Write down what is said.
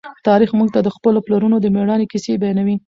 تاریخ موږ ته د خپلو پلرونو د مېړانې کیسې بیانوي.